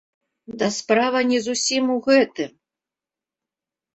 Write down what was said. Ды справа не зусім у гэтым.